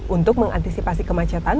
untuk mengantisipasi kemacetan